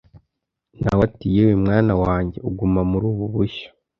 Na we ati Yewe mwana wanjye uguma muri ubu bushyo